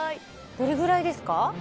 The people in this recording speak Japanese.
どれくらいですか？